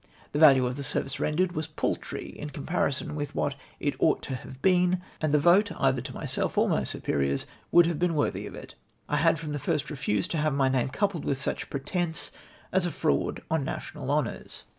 The value of the service rendered was paltry, in comparison with what it ought to have been ; and the vote, either to myself or my superiors, would have been worthy of it. I had from the hrst refused to have my name coupled Avitli such pretence, as a fraud on national honours.